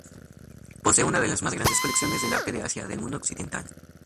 Posee una de las más grandes colecciones del arte de Asia del mundo occidental.